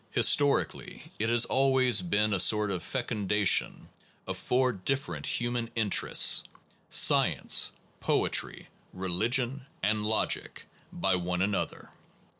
Historically it has al ways been a sort of fecundation of four differ ent human interests, science, poetry, religion, and logic, by one another.